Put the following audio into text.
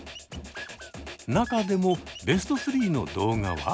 中でもベスト３の動画は？